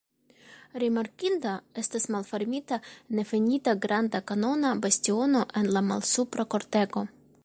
Rimarkinda estas malfermita nefinita granda kanona bastiono en la malsupra kortego.